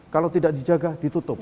kalau tidak dijaga ditutup